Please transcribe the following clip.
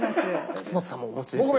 勝俣さんもお持ちですよね。